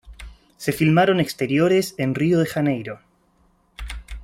Se filmaron exteriores en Río de Janeiro.